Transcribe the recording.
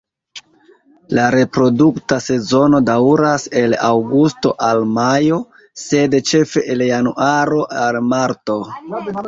La reprodukta sezono daŭras el aŭgusto al majo, sed ĉefe el januaro al marto.